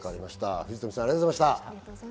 藤富さん、ありがとうござい